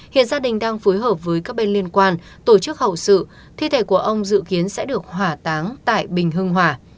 hiện gia đình đang phối hợp với các bên liên quan tổ chức hậu sự thi thể của ông dự kiến sẽ được hỏa táng tại bình hưng hòa